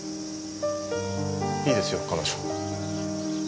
いいですよ彼女。